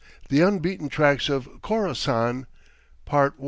THE UNBEATEN TRACKS OF KHORASSAN.